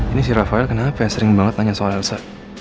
ini si rafael kenapa saya sering banget tanya soal elsa